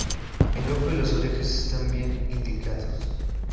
El ojo y las orejas están bien indicados.